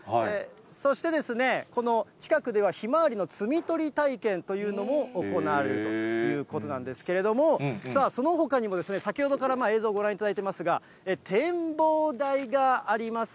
そしてですね、この近くでは、ひまわりの摘み取り体験というのも行われるということなんですけれども、さあ、そのほかにも先ほどから映像ご覧いただいていますが、展望台があります。